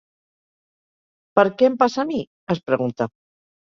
¿Per què em passa a mi?, es pregunta.